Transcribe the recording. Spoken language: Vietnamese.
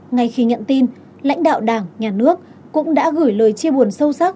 ngay khi nhận tin lãnh đạo đảng nhà nước cũng đã gửi lời chia buồn sâu sắc